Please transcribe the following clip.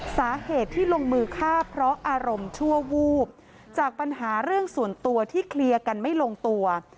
สาเหตุที่ลงมือฆ่าเพราะอารมณ์ชั่ววูบจากปัญหาเรื่องส่วนตัวที่เคลียร์กันไม่ลงตัว